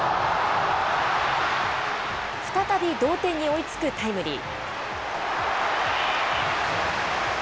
再び同点に追いつくタイムリー。